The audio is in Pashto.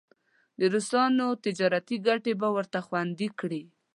د روسانو تجارتي ګټې به ورته خوندي کړي.